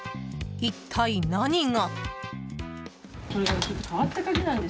一体、何が？